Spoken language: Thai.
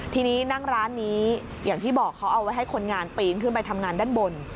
ทีนี้นั่งร้านนี้อย่างที่บอกเขาเอาไว้ให้คนงานปีนขึ้นไปทำงานด้านบน